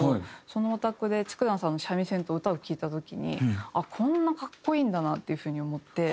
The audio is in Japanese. そのお宅で竹山さんの三味線と歌を聴いた時にこんな格好いいんだなっていう風に思って。